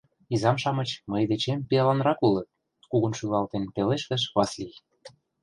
— Изам-шамыч мый дечем пиаланрак улыт... — кугун шӱлалтен пелештыш Васлий.